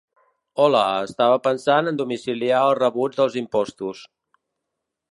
Hola, estava pensant en domiciliar els rebuts dels impostos.